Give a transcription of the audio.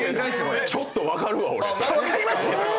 分かります